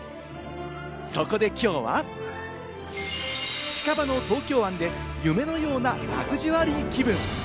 そこできょうは、近場の東京湾で夢のようなラグジュアリー気分。